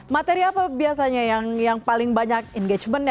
materi apa biasanya yang paling banyak engagement ya